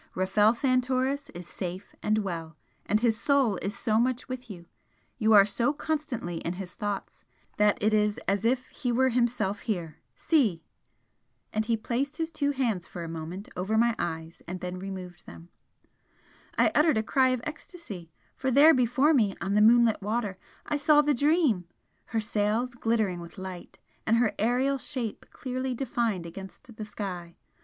Rafel Santoris is safe and well and his soul is so much with you you are so constantly in his thoughts, that it is as if he were himself here see!" And he placed his two hands for a moment over my eyes and then removed them. I uttered a cry of ecstasy for there before me on the moonlit water I saw the 'Dream'! her sails glittering with light, and her aerial shape clearly defined against the sky!